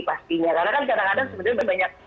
pastinya karena kan kadang kadang sebenarnya banyak